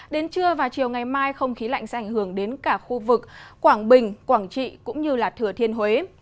đến trưa và chiều ngày mai không khí lạnh sẽ ảnh hưởng đến cả khu vực quảng bình quảng trị cũng như thừa thiên huế